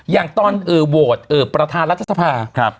อย่างตอนโหวตประธานรัฐสภา